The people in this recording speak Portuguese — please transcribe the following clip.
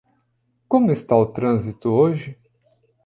Como está o trânsito hoje?